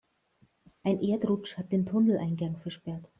Ein Erdrutsch hat den Tunneleingang versperrt.